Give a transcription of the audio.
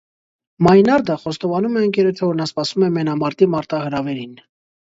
Մայնարդը խոստովանում է ընկերոջը, որ նա սպասում է մենամարտի մարտահրավերին։